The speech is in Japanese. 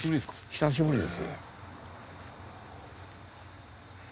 久しぶりですよ。